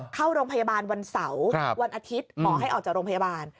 เข้าโรงพยาบาลวันเสาร์วันอาทิตย์หมอให้ออกจากโรงพยาบาล